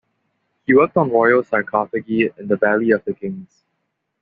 He worked on royal sarcophagi in the Valley of the Kings.